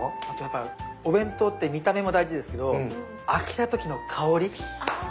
あとやっぱお弁当って見た目も大事ですけど開けた時の香り。